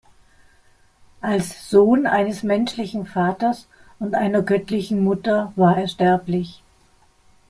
Als Sohn eines menschlichen Vaters und einer göttlichen Mutter war er sterblich.